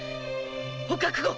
お覚悟！